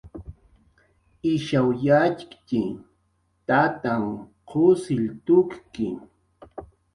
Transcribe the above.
Ishaw yatxktxi, Tantanhr qusill tukki